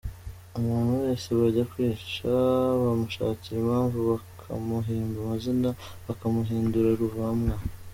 Umuntu wese bajya kwica bamushakira impamvu, bakamuhimba amazina bakamuhindura ruvumwa.